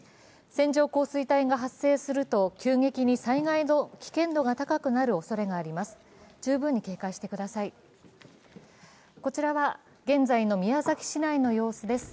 線状降水帯が発生すると急激に災害の危険度が高くなるおそれがあります。